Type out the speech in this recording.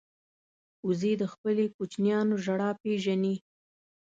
وزې د خپلو کوچنیانو ژړا پېژني